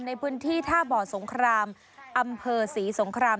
ในพื้นที่ท่าบ่อสงครามอำเภอศรีสงคราม